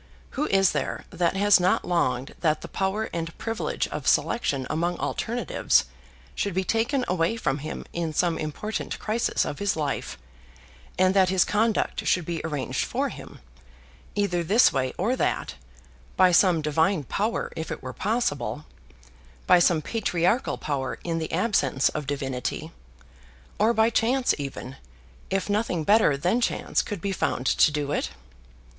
Who is there that has not longed that the power and privilege of selection among alternatives should be taken away from him in some important crisis of his life, and that his conduct should be arranged for him, either this way or that, by some divine power if it were possible, by some patriarchal power in the absence of divinity, or by chance even, if nothing better than chance could be found to do it?